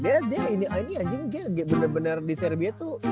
ya dia ini anjing dia bener bener di serbia tuh